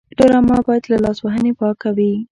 ډرامه باید له لاسوهنې پاکه وي